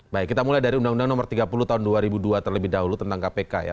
baik kita mulai dari undang undang nomor tiga puluh tahun dua ribu dua terlebih dahulu tentang kpk ya